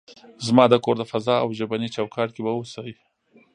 زما د کور د فضا او ژبني چوکاټ کې به اوسئ.